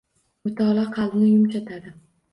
Mutolaa qalbni yumshatadi.